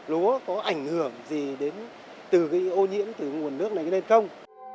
lúa có ảnh hưởng gì đến từ cái ô nhiễm từ nguồn nước này lên không